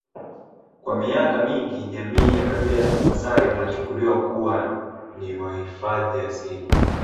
Kwa miaka mingi jamii ya kabila la wamaasai wanachukuliwa kuwa ni wahifadhi asili